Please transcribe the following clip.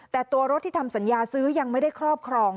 แต่ตัวรถที่ทำสัญญาซื้อยังไม่ได้ครอบครอง